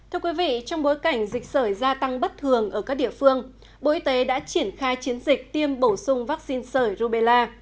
thưa quý vị trong bối cảnh dịch sởi gia tăng bất thường ở các địa phương bộ y tế đã triển khai chiến dịch tiêm bổ sung vaccine sởi rubella